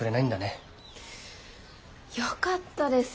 よかったです